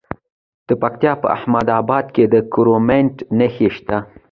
د پکتیا په احمد اباد کې د کرومایټ نښې شته.